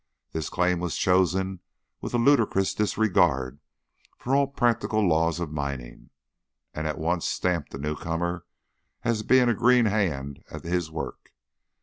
This claim was chosen with a ludicrous disregard for all practical laws of mining, and at once stamped the newcomer as being a green hand at his work.